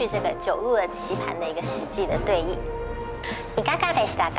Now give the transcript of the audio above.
いかがでしたか？